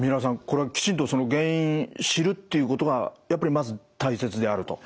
これはきちんとその原因知るっていうことがやっぱりまず大切であると。